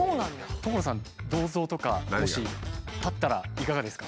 所さん銅像とかもし建ったらいかがですか？